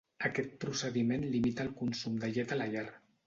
Aquest procediment limita el consum de llet a la llar.